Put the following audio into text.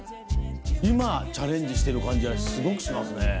今チャレンジしてる感じはすごくしますね。